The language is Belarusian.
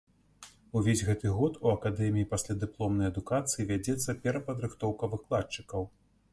Увесь гэты год у акадэміі паслядыпломнай адукацыі вядзецца перападрыхтоўка выкладчыкаў.